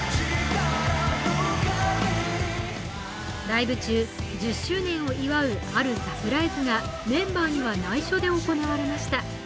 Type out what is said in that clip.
ライブ中、１０周年を祝うあるサプライズがメンバーには内緒で行われました。